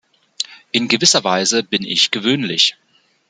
In gewisser Weise bin ich gewöhnlich.